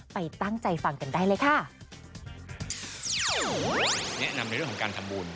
ไปตั้งใจฟังกันได้เลยค่ะ